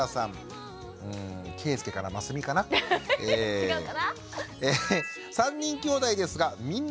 違うかな？